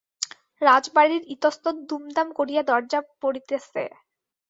রাজবাড়ির ইতস্তত দুমদাম করিয়া দরজা পড়িতেছে।